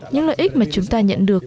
những lợi ích mà chúng ta nhận được